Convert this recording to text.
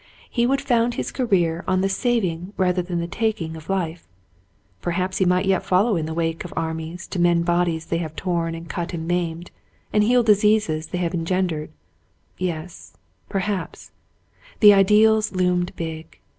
He would found his career on the sa\'ing rather than the taking of life. Perhaps he might yet follow in the wake of armies to mend bodies they have torn and cut and maimed, and heal diseases they have engendered — yes — perhaps — the ideals loomed big.